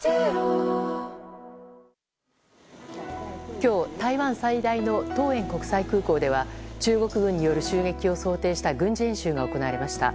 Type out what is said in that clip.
今日、台湾最大の桃園国際空港では中国軍による襲撃を想定した軍事演習が行われました。